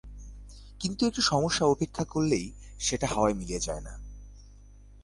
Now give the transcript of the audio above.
কিন্তু একটি সমস্যা উপেক্ষা করলেই সেটা হাওয়ায় মিলিয়ে যায় না।